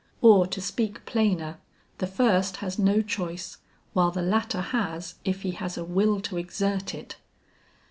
Or to speak plainer, the first has no choice, while the latter has, if he has a will to exert it.